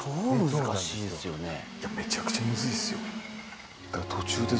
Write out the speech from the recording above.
めちゃくちゃムズいっすよ。